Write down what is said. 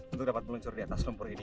untuk dapat meluncur di atas lumpur ini